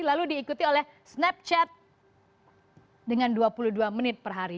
lalu diikuti oleh snapchat dengan dua puluh dua menit per hari